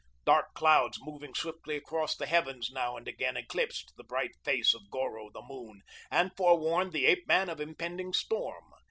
Dark clouds moving swiftly across the heavens now and again eclipsed the bright face of Goro, the moon, and forewarned the ape man of impending storm.